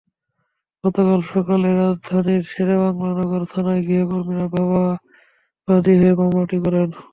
গতকাল সকালে রাজধানীর শেরেবাংলা নগর থানায় গৃহকর্মীর বাবা বাদী হয়ে মামলাটি করেন।